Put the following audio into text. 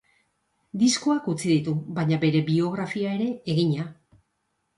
Diskoak utzi ditu, baina bere biografia ere egina.